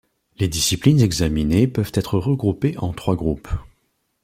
Les disciplines examinées peuvent être regroupée en trois groupes.